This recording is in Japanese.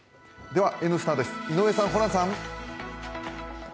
では「Ｎスタ」です井上さん、ホランさん。